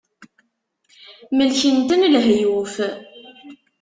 Melken-ten lehyuf.